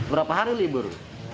berapa hari libur